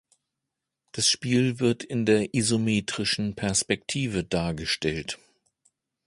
Das Spiel wird in der Isometrischen Perspektive dargestellt.